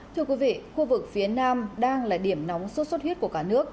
thưa quý vị khu vực phía nam đang là điểm nóng sốt xuất huyết của cả nước